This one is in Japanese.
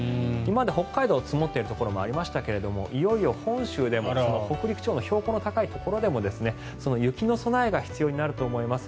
北海道は積もっているところがありましたがいよいよ本州でも、北陸地方の標高の高いところでも雪の備えが必要になると思います。